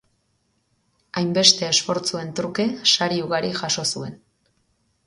Hainbeste esfortzuen truke sari ugari jaso zuen.